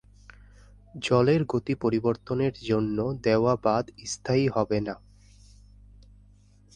জলের গতি পরিবর্তনের জন্য দেওয়া বাঁধ স্থায়ী হবে না।